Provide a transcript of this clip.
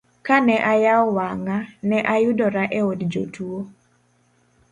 Ka ne ayawo wang'a, ne ayudora e od jotuo.